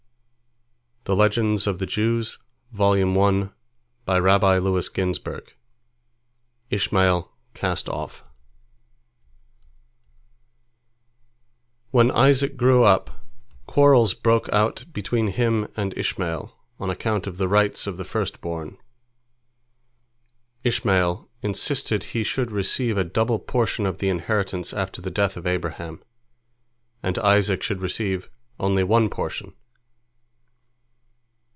" ISHMAEL CAST OFF When Isaac grew up, quarrels broke out between him and Ishmael, on account of the rights of the first born. Ishmael insisted he should receive a double portion of the inheritance after the death of Abraham, and Isaac should receive only one portion.